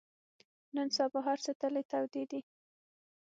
نن سبا هر څه تلې تودې دي.